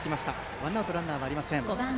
ワンアウトランナーはありません。